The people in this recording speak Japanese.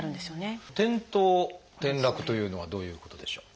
「転倒・転落」というのはどういうことでしょう？